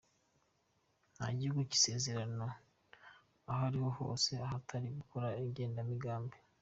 Nta gihugu cy’isezerano aho ari ho hose, ahatari ugukora n’igenamigambi.